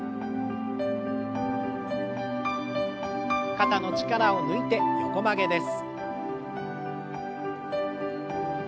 肩の力を抜いて横曲げです。